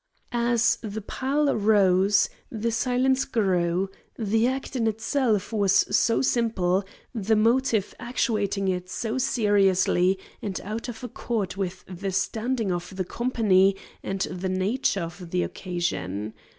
As the pile rose, the silence grew, the act in itself was so simple, the motive actuating it so serious and out of accord with the standing of the company and the nature of the occasion.